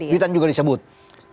witan juga disebut sebut tadi ya